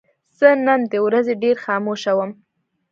زه نن د ورځې ډېر خاموشه وم.